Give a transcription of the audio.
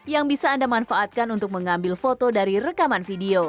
yang bisa anda manfaatkan untuk mengambil foto dari rekaman video